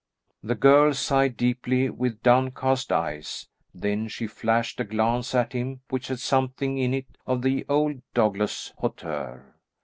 The girl sighed deeply with downcast eyes, then she flashed a glance at him which had something in it of the old Douglas hauteur.